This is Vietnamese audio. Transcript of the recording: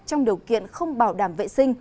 trong điều kiện không bảo đảm vệ sinh